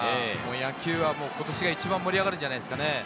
野球は今年が一番盛り上がるんじゃないですかね。